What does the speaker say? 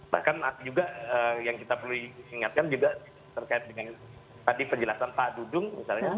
bahkan juga yang kita perlu ingatkan juga terkait dengan tadi penjelasan pak dudung misalnya